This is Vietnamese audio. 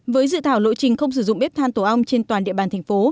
với dự thảo lộ trình không sử dụng bếp than tổ ong trên toàn địa bàn thành phố